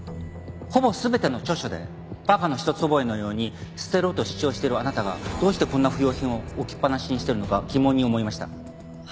ほぼ全ての著書で馬鹿の一つ覚えのように「捨てろ」と主張してるあなたがどうしてこんな不用品を置きっぱなしにしてるのか疑問に思いました。